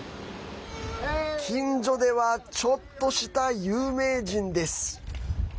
近所ではちょっとした有名人です。